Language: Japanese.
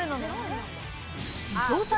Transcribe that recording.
伊藤さん